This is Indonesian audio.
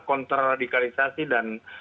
kontra radikalisasi dan